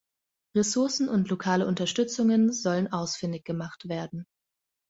Ressourcen und lokale Unterstützungen sollen ausfindig gemacht werden.